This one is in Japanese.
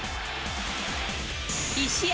１試合